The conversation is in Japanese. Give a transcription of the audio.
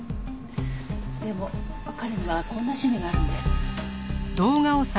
でも彼にはこんな趣味があるんです。